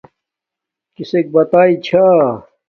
کسک بتا چھاݵ